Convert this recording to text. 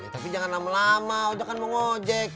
tapi jangan lama lama udah kan mau ngojek